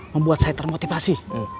membuat saya termotivasi